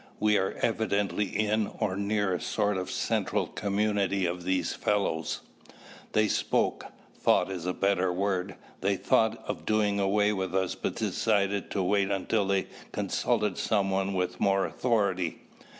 "We are evidently in or near a sort of central community of these fellows. They spoke; thought is a better word; they thought of doing away with us but decided to wait until they consulted someone with more authority.